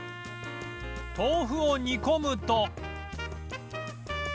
豆腐を煮込むと